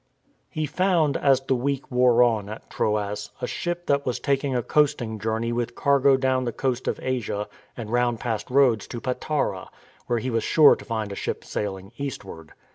He found, as the week wore on at Troas, a ship that was taking a coasting journey with cargo down the coast of Asia and round past Rhodes to Patara, where he was sure to find a ship sailing eastward.